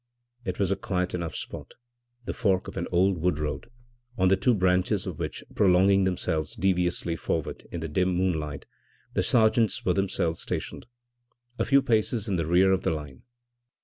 It was a quiet enough spot the fork of an old wood road, on the two branches of which, prolonging themselves deviously forward in the dim moonlight, the sergeants were themselves stationed, a few paces in rear of the line.